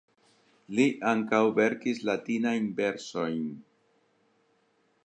Li ankaŭ verkis latinajn versojn.